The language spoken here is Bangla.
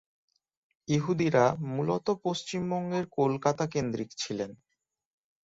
ইহুদিরা মূলত পশ্চিমবঙ্গের কলকাতা কেন্দ্রিক ছিলেন।